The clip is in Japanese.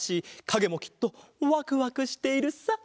かげもきっとワクワクしているさ。